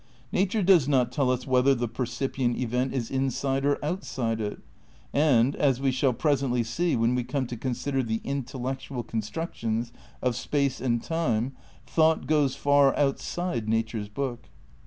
Nature does not tell us whether the percipient event is inside or outside it ; and, as we shall presently see when we come to consider the intel lectual constructions of space and time, thought goes far outside nature's book.